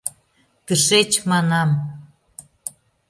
Тышеч, манам.